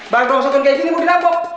bang langsung ke sini mau dirampok